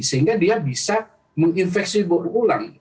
sehingga dia bisa menginfeksi berulang